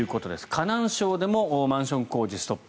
河南省でもマンション工事がストップ。